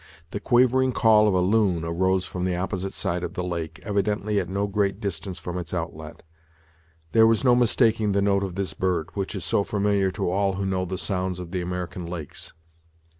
The quavering call of a loon arose from the opposite side of the lake, evidently at no great distance from its outlet. There was no mistaking the note of this bird, which is so familiar to all who know the sounds of the American lakes.